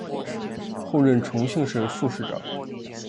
后任重庆市副市长。